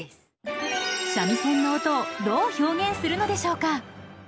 三味線の音をどう表現するのでしょうか？